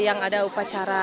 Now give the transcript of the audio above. yang ada upacara